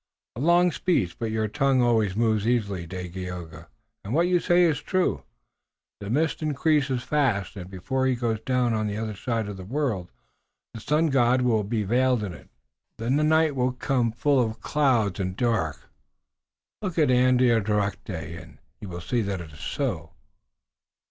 "A long speech, but your tongue always moves easily, Dagaeoga, and what you say is true. The mist increases fast, and before he goes down on the other side of the world the Sun God will be veiled in it. Then the night will come full of clouds, and dark. Look at Andiatarocte, and you will see that it is so."